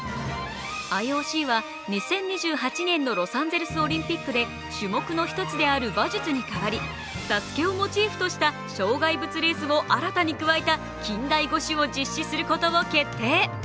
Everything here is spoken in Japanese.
ＩＯＣは２０２８年のロサンゼルスオリンピックで種目の１つである馬術に代わり「ＳＡＳＵＫＥ」をモチーフとした障害物レースを新たに加えた近代五種を実施することを決定。